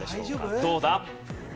どうだ？